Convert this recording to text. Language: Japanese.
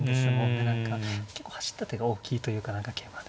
で何か結構走った手が大きいというか何か桂馬。